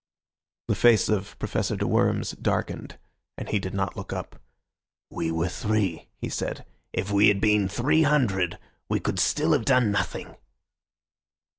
The face of Professor de Worms darkened, and he did not look up. "We were three," he said. "If we had been three hundred we could still have done nothing."